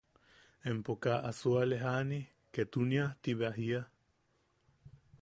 ¿Empo kaa suale jaʼani ketunia ti bea jia?